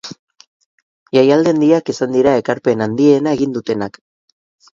Jaialdi handiak izan dira ekarpen handiena egin dutenak.